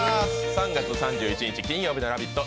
３月３１日、金曜日のラヴィット！